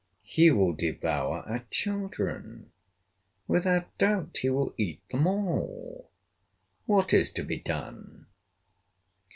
He will devour our children. Without doubt, he will eat them all. What is to be done?"